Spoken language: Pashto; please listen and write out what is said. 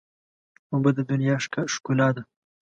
اوبه د دنیا ښکلا ده.